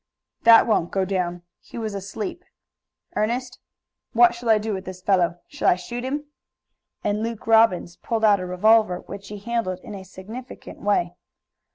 "That won't go down. He was asleep. Ernest, what shall I do with this fellow? Shall I shoot him?" and Luke Robbins pulled out a revolver, which he handled in a significant way.